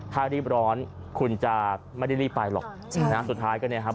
ถ้ารีบร้อนคุณจะไม่ได้รีบไปหรอกสุดท้ายก็เนี่ยครับ